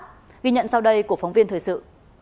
ghi nhận sau đây của phóng viên thời sự